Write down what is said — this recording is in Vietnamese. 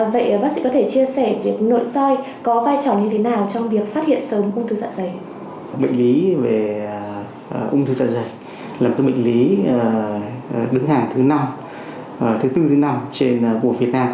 vậy bác sĩ có thể chia sẻ việc nội soi có vai trò như thế nào trong việc phát hiện sớm ung thư dạ dày